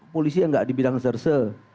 polisi yang tidak di bidang serse